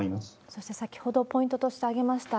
そして、先ほどポイントとして挙げました